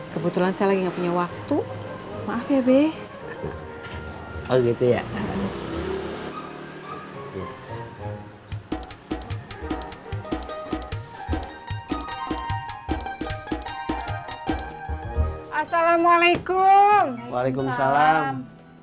kebetulan saya lagi nggak punya waktu maaf ya be oh gitu ya assalamualaikum waalaikumsalam